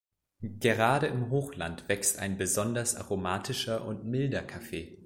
Gerade im Hochland wächst ein besonders aromatischer und milder Kaffee.